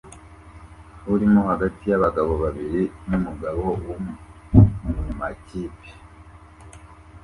urimo hagati yabagabo babiri nkumugabo wo mumakipe